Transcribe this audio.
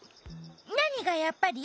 なにが「やっぱり」？